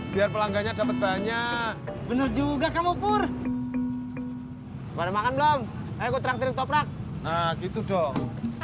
biar pelangganya dapat banyak bener juga kamu pur baru makan belum aku terangkan toprak gitu dong